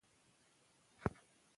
ځینې خلک زړه راښکونکي ښکاري.